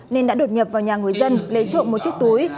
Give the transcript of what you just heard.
nên đã đột nhập vào nhà người dân lấy trộm một chiếc túi